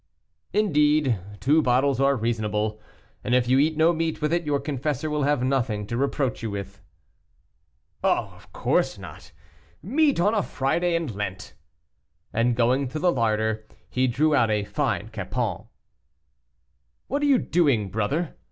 "Indeed; two bottles are reasonable, and if you eat no meat with it, your confessor will have nothing to reproach you with." "Oh, of course not; meat on a Friday in Lent!" And going to the larder, he drew out a fine capon. "What are you doing, brother?"